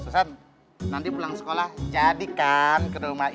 susan nanti pulang sekolah jadikan ke rumah ibu